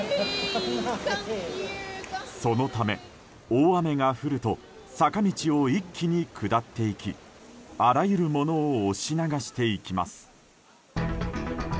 そのため、大雨が降ると坂道を一気に下っていきあらゆるものを押し流していきます。